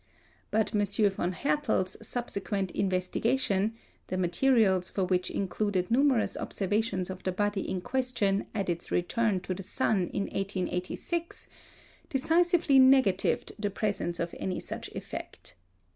But M. von Haerdtl's subsequent investigation, the materials for which included numerous observations of the body in question at its return to the sun in 1886, decisively negatived the presence of any such effect.